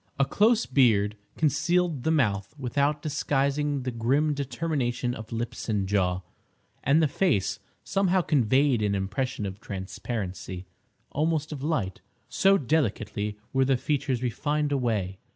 A close beard concealed the mouth without disguising the grim determination of lips and jaw, and the face somehow conveyed an impression of transparency, almost of light, so delicately were the features refined away.